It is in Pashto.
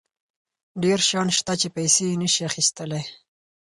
ډېر شیان شته چې پیسې یې نشي اخیستلی.